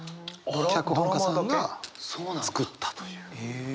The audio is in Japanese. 脚本家さんが作ったという。え。